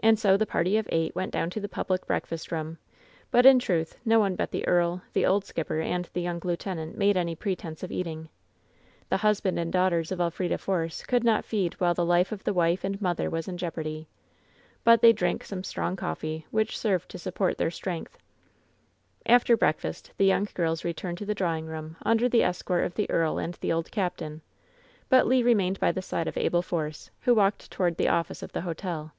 And so the party of eight went down to the public breakfast room, but in truth no one but the earl, the old skipper, and the young lieutenant made any pretense of eating. The husband and daughters of Elfrida Force could not feed while the life of the wife and mother was in jeopardy. But they drank some strong coffee, which served to support their strength. After breakfast the young girls returned to the draw ing room under the escort of the earl and the old cap tain; but Le remained by the side of Abel Force, who walked toward the office of the hotel.